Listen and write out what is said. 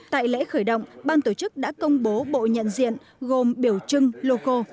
tại lễ khởi động ban tổ chức đã công bố bộ nhận diện gồm biểu trưng loco